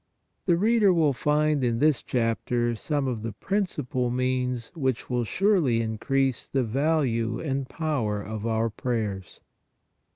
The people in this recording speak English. The reader will find in this chapter some of the principal means which will surely increase the value and power of our prayers.